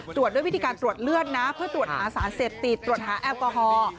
ตรวจด้วยวิธีการตรวจเลือดนะเพื่อตรวจหาสารเสพติดตรวจหาแอลกอฮอล์